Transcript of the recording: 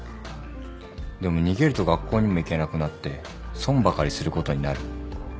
でも逃げると学校にも行けなくなって損ばかりすることになる。